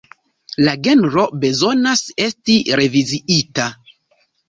La genro bezonas esti reviziita.